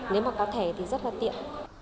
nếu mà có thẻ thì rất là tiện